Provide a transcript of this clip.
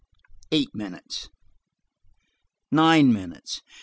Eight minutes. Nine minutes.